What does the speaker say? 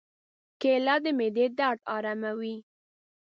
کېله د معدې درد آراموي.